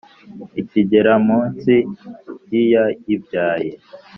ikigera mu nsi y’iyayibyaye